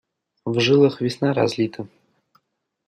В жилах весна разлита.